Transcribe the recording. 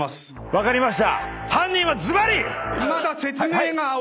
分かりました。